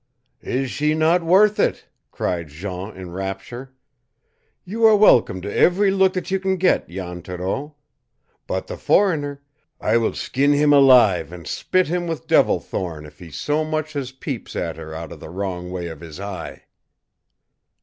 "Is she not worth it?" cried Jean in rapture. "You are welcome to every look that you can get, Jan Thoreau. But the foreigner I will skin him alive and spit him with devil thorn if he so much as peeps at her out of the wrong way of his eye!"